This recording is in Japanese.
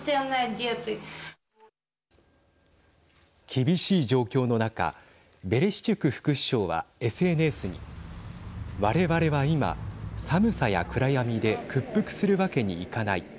厳しい状況の中ベレシチュク副首相はＳＮＳに我々は今、寒さや暗闇で屈服するわけにいかない。